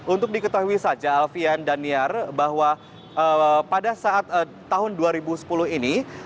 untuk diketahui saja alfian daniar bahwa pada saat tahun dua ribu sepuluh ini